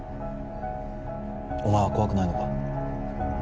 お前は怖くないのか？